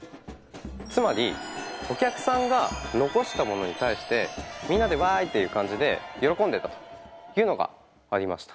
つまりお客さんが残したものに対してみんなでわいっていう感じで喜んでいたというのがありました。